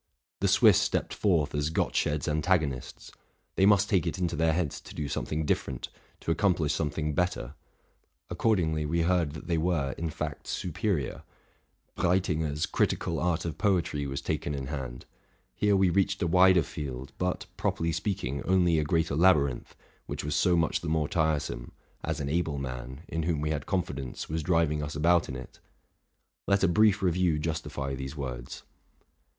The Swiss stepped forth as Gottsched's antagonists : they must take it into their heads to do something different, to accomplish something better; accordingly we heard that they were, in fact, superior. Breitinger's '* Critical Art of Poetry '' was taken in hand. Here we reached a wider field, but, properly speaking, only a greater labyrinth, which was so much the more tiresome, as an able man, in whom we had confidence, was driving us about in it. Leta brief review justify these words.